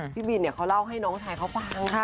พี่บินเขาเล่าให้น้องชายเขาฟัง